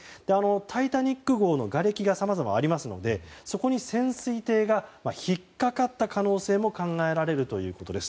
「タイタニック号」のがれきがさまざま、ありますのでそこに潜水艇が引っかかった可能性も考えられるということです。